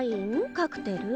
カクテル？